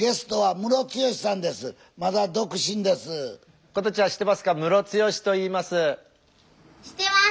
ムロツヨシといいます。